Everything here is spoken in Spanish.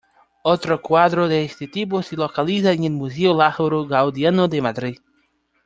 Otro cuadro de este tipo se localiza en el Museo Lázaro Galdiano de Madrid.